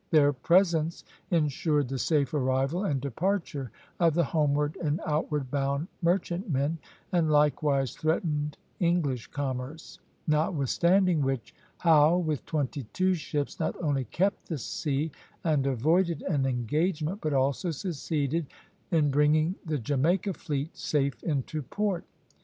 Their presence insured the safe arrival and departure of the homeward and outward bound merchantmen, and likewise threatened English commerce; notwithstanding which, Howe, with twenty two ships, not only kept the sea and avoided an engagement, but also succeeded in bringing the Jamaica fleet safe into port.